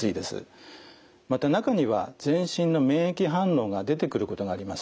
また中には全身の免疫反応が出てくることがあります。